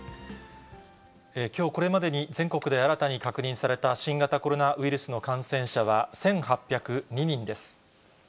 きょう、これまでに全国で新たに確認された新型コロナウイルスの感染者は、１８０２人です。